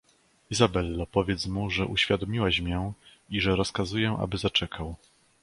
"Izabello, powiedz mu, że uwiadomiłaś mię i że rozkazuję aby zaczekał."